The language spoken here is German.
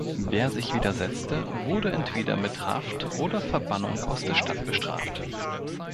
Wer sich widersetzte, wurde entweder mit Haft oder Verbannung aus der Stadt bestraft.